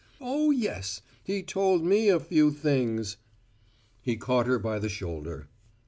Oh, yes, he told me a few things!" He caught her by the shoulder.